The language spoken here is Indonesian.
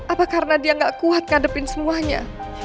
apa karena dia gak kuat ngadepin semuanya